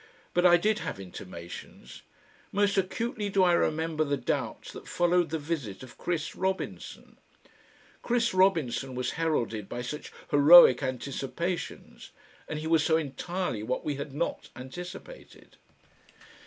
But I did have intimations. Most acutely do I remember the doubts that followed the visit of Chris Robinson. Chris Robinson was heralded by such heroic anticipations, and he was so entirely what we had not anticipated.